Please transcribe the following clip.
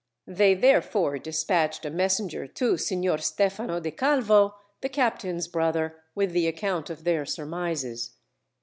They therefore dispatched a messenger to Signor Stefano di Calvo, the captain's brother, with the account of their surmises.